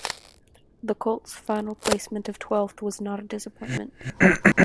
The Colts' final placement of twelfth was not a disappointment.